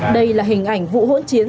đây là hình ảnh vụ hỗn chiến